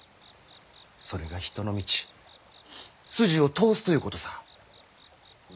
それが人の道筋を通すということさぁ。